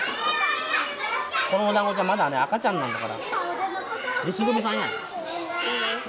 このおだんごじゃまだ赤ちゃんなんだから。